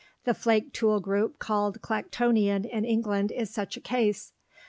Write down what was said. The flake tool group called Clactonian in England is such a case.